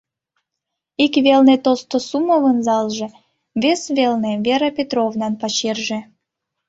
Ик велне Толстосумовын залже, вес велне Вера Петровнан пачерже.